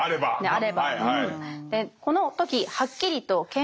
ねあれば。